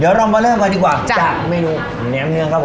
เดี๋ยวเรามาเริ่มกันดีกว่าจากเมนูแนมเนืองครับผม